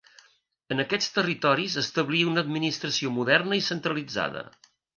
En aquests territoris establí una administració moderna i centralitzada.